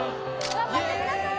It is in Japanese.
頑張ってください！